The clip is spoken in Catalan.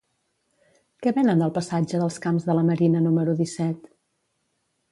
Què venen al passatge dels Camps de la Marina número disset?